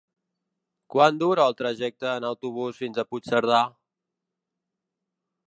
Quant dura el trajecte en autobús fins a Puigcerdà?